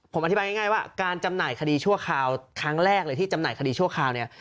ผมอธิบายง่ายว่าการจำหน่ายคดีชั่วคราวครั้งแรกเลยที่จำหน่ายคดีชั่วคราวเนี่ย